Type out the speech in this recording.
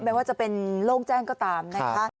ไม่ว่าจะเป็นโล่งแจ้งก็ตามนะคะ